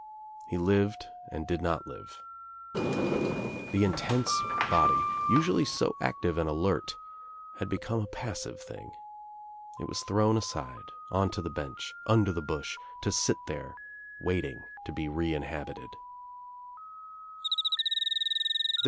He lived and did not live. The intense body, usually so active and alert, had become a passive thing. It was thrown aside, on to the bench, under the bush, to sit there, waiting to be reinhablted.